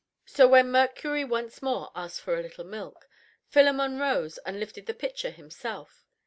So when Mercury once more asked for a little milk, Philemon rose and lifted the pitcher himself.